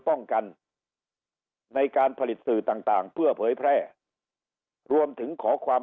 ป้องกันในการผลิตสื่อต่างเพื่อเผยแพร่รวมถึงขอความ